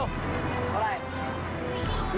เวลาไหร่